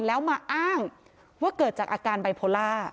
แล้วมาอ้างว่าเกิดจากอาการไบโพล่า